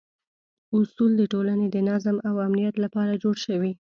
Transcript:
اصول د ټولنې د نظم او امنیت لپاره جوړ شوي.